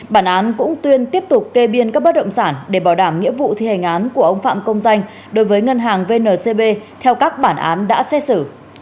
bản án cũng tuyên tiếp tục kê biên các bất động sản để bảo đảm nghĩa vụ thi hành án của ông phạm công danh đối với ngân hàng vncb theo các bản án đã xét xử